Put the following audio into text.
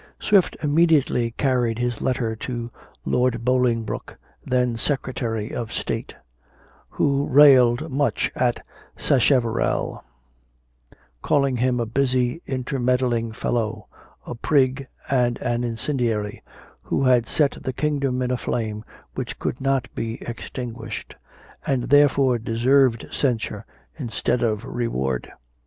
Swift immediately carried his letter to Lord Bolingbroke, then Secretary of State, who railed much at Sacheverell, calling him a busy intermeddling fellow; a prig and an incendiary, who had set the kingdom in a flame which could not be extinguished, and therefore deserved censure instead of reward.